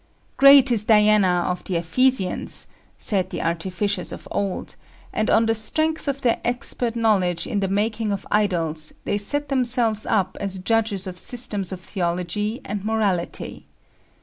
"Great is Diana of the Ephesians" said the artificers of old; and on the strength of their expert knowledge in the making of idols they set themselves up as judges of systems of theology and morality.